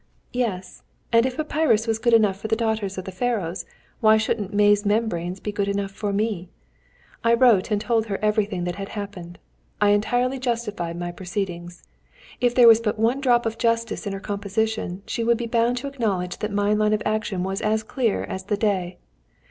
"Yes, and if papyrus was good enough for the daughters of the Pharaohs, why shouldn't maize membranes be good enough for me? I wrote and told her everything that had happened. I entirely justified my proceedings. If there was but one drop of justice in her composition she would be bound to acknowledge that my line of action was as clear as the day.